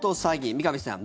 三上さん